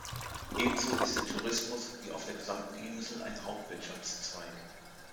Ebenso ist der Tourismus wie auf der gesamten Insel ein Hauptwirtschaftszweig.